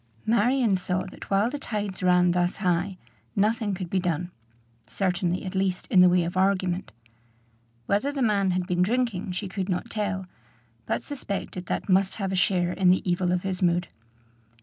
Marion saw that while the tides ran thus high, nothing could be done; certainly, at least, in the way of argument. Whether the man had been drinking she could not tell, but suspected that must have a share in the evil of his mood.